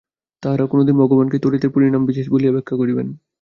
তাঁহারা কোন দিন ভগবানকেই তড়িতের পরিণামবিশেষ বলিয়া ব্যাখ্যা করিবেন।